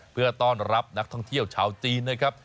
เพื่อต้อนรับนักท่องเที่ยวชาวจีนนะครับ